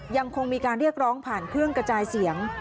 ยังคงมีการเรียกร้องผ่านเครื่องกระจายเสียง